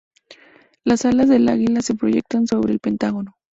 Las alas del águila se proyectan sobre el pentágono.